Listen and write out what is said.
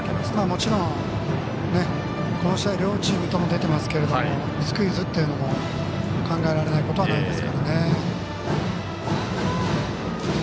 もちろん、この試合両チームとも出ていますがスクイズというのも考えられないことはないですから。